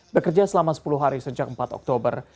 bekerja selama sepuluh hari sejak empat oktober